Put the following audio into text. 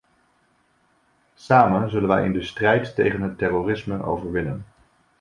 Samen zullen wij in de strijd tegen het terrorisme overwinnen.